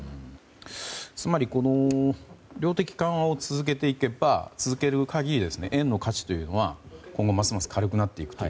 つまり量的緩和を続ける限り円の価値というのは今後ますます軽くなっていくと。